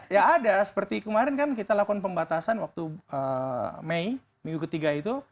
ya ada seperti kemarin kan kita lakukan pembatasan waktu mei minggu ketiga itu